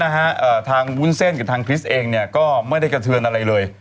เขาบอกว่าวุ้นเส้นของคริสเองก็ไม่ได้กระเทือนอะไรเลย